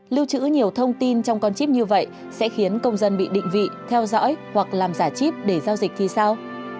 lưu trữ nhiều thông tin trong con chip như vậy sẽ khiến công dân bị định vị theo dõi hoặc làm giả chip để giao dịch thì sao